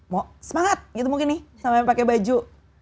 mau semangat gitu mungkin nih sama yang pakai baju